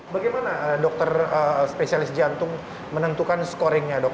bagaimana dokter spesialis jantung menentukan scoring nya dok